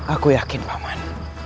aku yakin paman